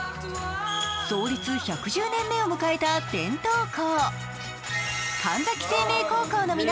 創立１１０年目を迎えた伝統校。